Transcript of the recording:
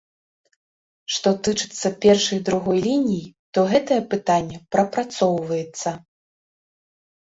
Што тычыцца першай і другой ліній, то гэтае пытанне прапрацоўваецца.